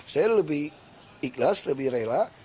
saya lebih ikhlas lebih rela